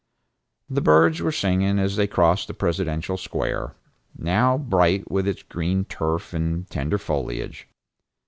The birds were singing as they crossed the Presidential Square, now bright with its green turf and tender foliage.